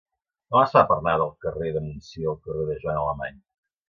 Com es fa per anar del carrer de Montsió al carrer de Joana Alemany?